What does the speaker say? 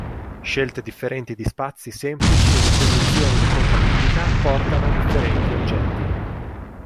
Scelte differenti di spazi semplici e di condizioni di compatibilità portano a differenti oggetti.